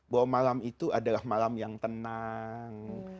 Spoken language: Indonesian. bahwa malam itu adalah malam yang tenang